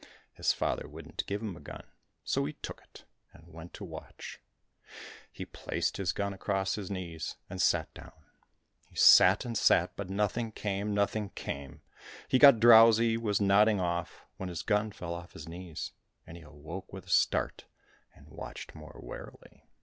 His father wouldn't give him a gun, so he took it, and went to watch. He placed his gun across his knees and sat down. He sat and sat, but nothing came, nothing came ; he got drowsy, was nodding off, when his gun fell off his knees, and he awoke with a start and watched more warily.